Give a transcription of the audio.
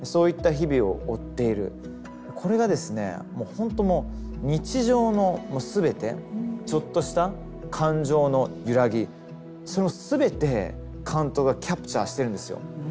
これが本当もう日常の全てちょっとした感情の揺らぎそれも全て監督がキャプチャーしてるんですよ。